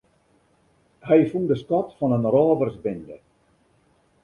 Hy fûn de skat fan in rôversbinde.